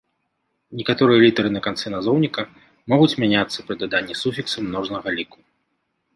Некаторыя літары на канцы назоўніка могуць мяняцца пры даданні суфікса множнага ліку.